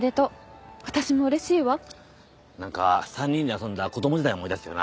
何か３人で遊んだ子供時代を思い出すよな。